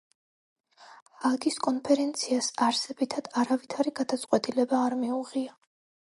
ჰააგის კონფერენციას არსებითად არავითარი გადაწყვეტილება არ მიუღია.